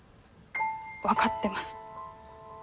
分かってます。